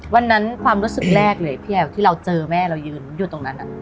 วันนั้นความรู้สึกแรกเลยพี่แอ๋วที่เราเจอแม่เรายืนอยู่ตรงนั้น